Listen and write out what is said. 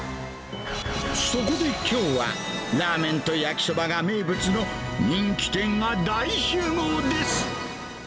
そこできょうは、ラーメンと焼きそばが名物の人気店が大集合です。